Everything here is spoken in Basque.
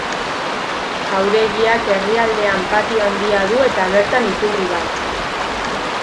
Jauregiak erdialdean patio handia du eta bertan iturri bat.